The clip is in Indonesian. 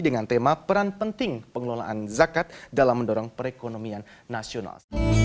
dengan tema peran penting pengelolaan zakat dalam mendorong perekonomian nasional